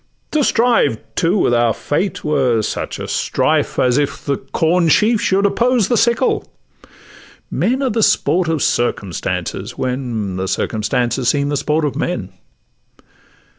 To strive, too, with our fate were such a strife As if the corn sheaf should oppose the sickle: Men are the sport of circumstances, when The circumstances seem the sport of men.